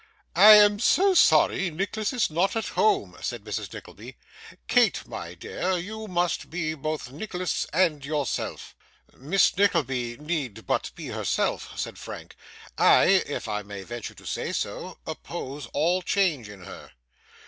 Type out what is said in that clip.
'I am so sorry Nicholas is not at home,' said Mrs. Nickleby. 'Kate, my dear, you must be both Nicholas and yourself.' 'Miss Nickleby need be but herself,' said Frank. 'I if I may venture to say so oppose all change in her.